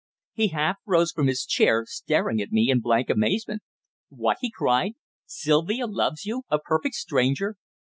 He half rose from his chair, staring at me in blank amazement. "What?" he cried. "Sylvia loves you a perfect stranger?"